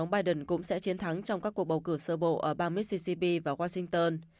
ông biden cũng sẽ chiến thắng trong các cuộc bầu cử sơ bộ ở bang missisip và washington